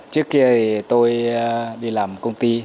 trước kia thì tôi đi làm công ty